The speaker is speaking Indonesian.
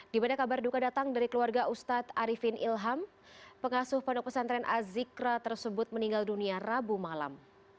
di mana kabar duka datang dari keluarga ustadz arifin ilham pengasuh pondok pesantren azikra tersebut meninggal dunia rabu malam